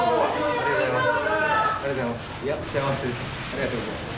ありがとうございます。